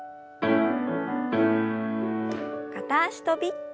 片脚跳び。